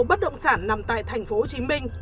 bất động sản nằm tại tp hcm